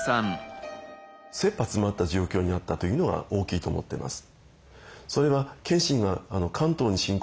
切羽つまった状況になったというのが大きいと思ってます。